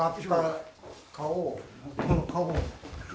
顔。